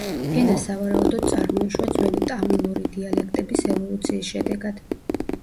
ენა სავარაუდოდ წარმოიშვა ძველი ტამილური დიალექტების ევოლუციის შედეგად.